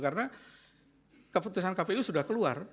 karena keputusan kpu sudah keluar